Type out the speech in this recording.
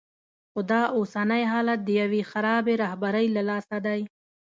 خو دا اوسنی حالت د یوې خرابې رهبرۍ له لاسه دی.